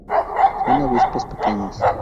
Son avispas pequeñas.